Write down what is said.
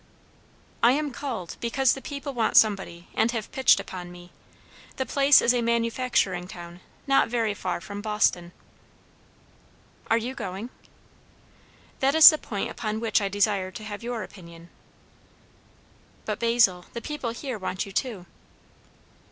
"I am called, because the people want somebody and have pitched upon me. The place is a manufacturing town, not very far from Boston." "Are you going?" "That is the point upon which I desire to have your opinion." "But, Basil, the people here want you too."